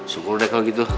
syukur deh kalau gitu